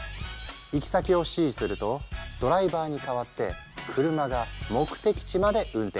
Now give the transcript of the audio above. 行き先を指示するとドライバーに代わって車が目的地まで運転してくれる。